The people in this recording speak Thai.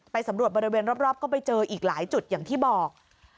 สำรวจบริเวณรอบก็ไปเจออีกหลายจุดอย่างที่บอก